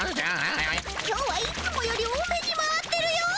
今日はいつもより多めに回ってるよ。